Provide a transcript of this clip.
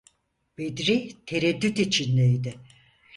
Bedri tereddüt içindeydi.